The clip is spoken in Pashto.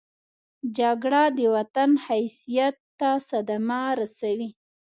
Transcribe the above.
جګړه د وطن حیثیت ته صدمه رسوي